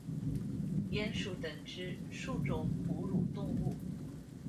鼹属等之数种哺乳动物。